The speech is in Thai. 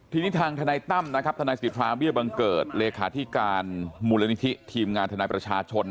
ทีนี้ทางทนายตั้มนะครับทนายสิทธาเบี้ยบังเกิดเลขาธิการมูลนิธิทีมงานทนายประชาชน